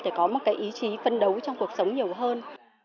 để có một cái ý chí phân đấu trong cuộc sống nhiều hơn